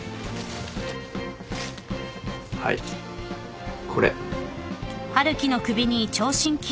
はいこれ。